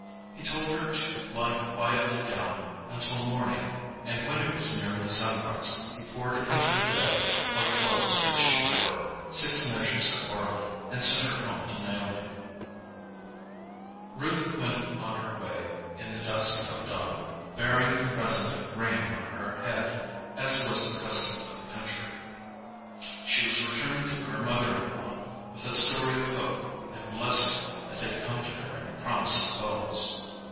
He told her to lie quietly down until morning, and when it was nearly sunrise he poured into the veil or cloak that she wore, six measures of barley, and sent her home to Naomi. [Illustration: "GAVE HER SIX MEASURES OF BARLEY."] Ruth went on her way in the dusk of dawn, bearing the present of grain on her head, as was the custom of the country. She was returning to her mother in law with a story of hope and blessing that had come to her in the promise of Boaz.